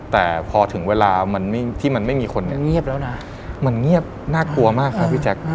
แต่พอถึงเวลาที่มันไม่มีคนมันเงียบน่ากลัวมากครับพี่แจ๊ค